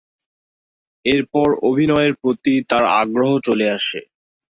এর পর অভিনয়ের প্রতি তার আগ্রহ চলে আসে।